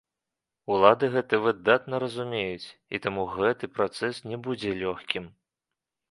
Улады гэта выдатна разумеюць, і таму гэты працэс не будзе лёгкім.